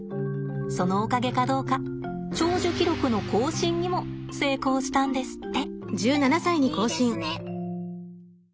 そのおかげかどうか長寿記録の更新にも成功したんですって。